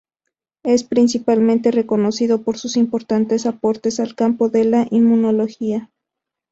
Es principalmente reconocido por sus importantes aportes al campo de la inmunología.